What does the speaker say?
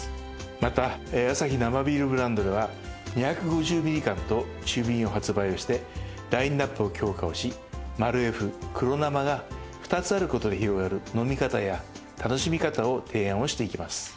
またアサヒ生ビールブランドでは２５０ミリ缶と中瓶を発売してラインアップを強化しマルエフ黒生が２つある事で広がる飲み方や楽しみ方を提案していきます。